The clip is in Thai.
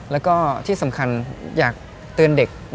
แล้วก็ที่สำคัญอยากเตือนเด็ก